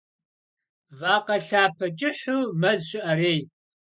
Вакъэ лъапэ кӀыхьу мэз щыӀэрей.